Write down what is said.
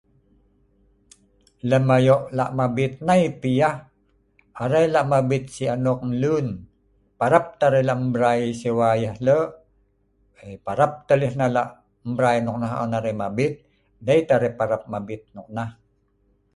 Lem ayo' la' mabit nai pi yah Arai lak mabit sik anok n'lun Parap te arai la' mbrai sewa yah lok, eyy parap tah lei hneh la' mbrai noknah on arai mabit, dei tah arai parap mabit noknah